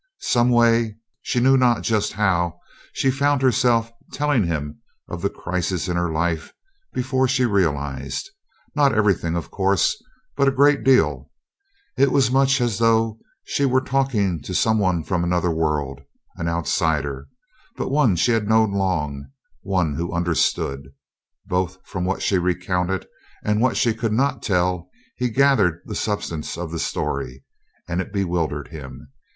Someway, she knew not just how, she found herself telling him of the crisis in her life before she realized; not everything, of course, but a great deal. It was much as though she were talking to some one from another world an outsider; but one she had known long, one who understood. Both from what she recounted and what she could not tell he gathered the substance of the story, and it bewildered him.